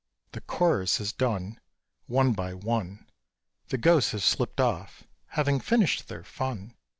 The chorus is done: One by one The ghosts have slipped off, having finished their fun.